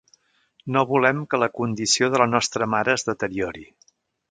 No volem que la condició de la nostra mare es deteriori.